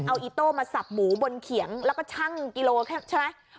เอาอีโต้มาสับหมูบนเขียงแล้วก็ชั่งกิโลใช่ไหม